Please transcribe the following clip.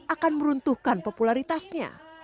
akan meruntuhkan popularitasnya